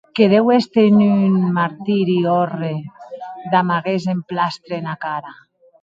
Que deu èster en un martiri òrre damb aguest emplastre ena cara.